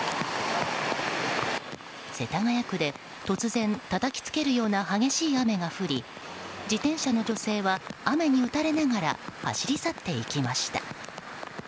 世田谷区で突然たたきつけるような激しい雨が降り自転車の女性は雨に打たれながら走り去っていきました。